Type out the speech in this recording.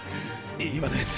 今のやつ？